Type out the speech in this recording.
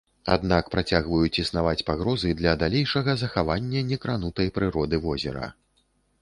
Аднак працягваюць існаваць пагрозы для далейшага захавання некранутай прыроды возера.